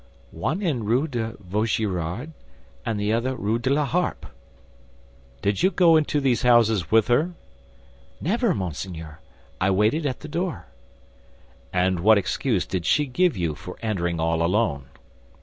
"One in Rue de Vaugirard, the other Rue de la Harpe." "Did you go into these houses with her?" "Never, monseigneur; I waited at the door." "And what excuse did she give you for entering all alone?"